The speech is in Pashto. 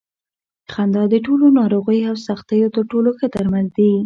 خندا د ټولو ناروغیو او سختیو تر ټولو ښه درمل دي.